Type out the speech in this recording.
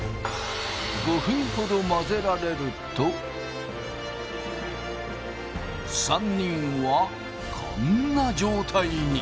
５分ほど混ぜられると３人はこんな状態に。